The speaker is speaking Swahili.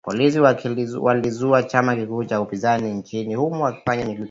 Polisi walikizuia chama kikuu cha upinzani nchini humo kufanya mikutano